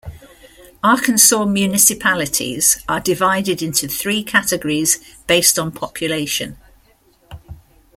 Arkansas municipalities are divided into three categories based on population.